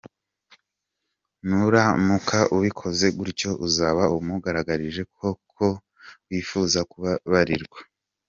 Nuramuka ubikoze gutyo uzaba umugaragarije ko koko wifuza kubabarirwa.